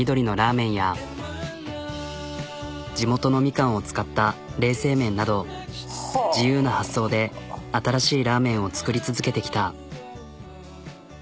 地元のみかんを使った冷製麺など自由な発想で新しいラーメンを作り続けてきた。